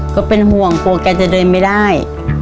ก็เป็นห่วงกลัวแกจะเดินไม่ได้